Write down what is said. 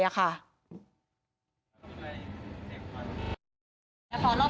เขาบอกว่าเป็นข้อเท้าด้วยข้อมือด้วย